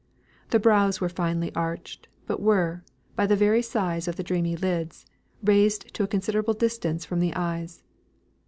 The brows were finely arched, but were by the very size of the dreamy lids, raised to a considerable distance from the eyes.